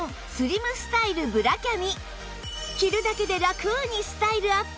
着るだけでラクにスタイルアップ！